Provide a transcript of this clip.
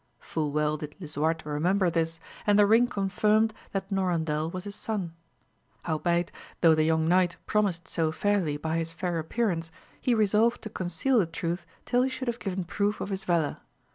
Full well did Lisuarte remember this, and the ring confirmed that Norandel was his son. Howbeit, though the young knight promised so fairly by his fair appearance, he resolved to conceal the truth till he should have given proof of his valour.